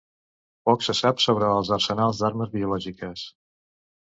Poc se sap sobre els arsenals d'armes biològiques.